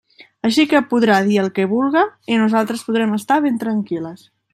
Així que podrà dir el que vulga i nosaltres podrem estar ben tranquil·les.